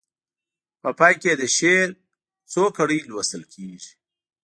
په پای کې یې د شعر څو کړۍ لوستل کیږي.